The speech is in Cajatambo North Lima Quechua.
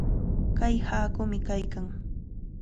Kay haakumi kaykan.